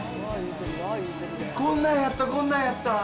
こんなんやった、こんなんやった。